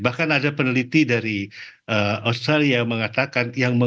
bahkan ada peneliti dari australia mengatakan